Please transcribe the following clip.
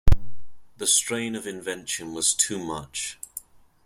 The strain of invention was too much.